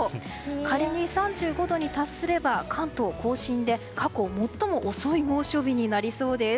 仮に３５度に達すれば関東・甲信で過去最も遅い猛暑日になりそうです。